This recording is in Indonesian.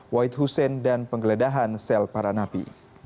wahid hussein dan penggeledahan sel para napi